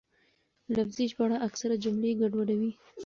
لفظي ژباړه اکثراً جملې ګډوډوي.